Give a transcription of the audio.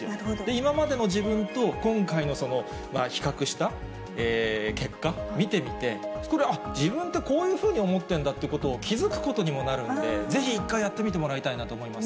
今までの自分と、今回の比較した結果、見てみて、これ、あっ、自分ってこういうふうに思ってるんだって気付くことにもなるんで、ぜひ一回、やってみてもらいたいなと思います。